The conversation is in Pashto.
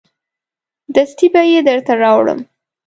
دستي به یې درته راوړم.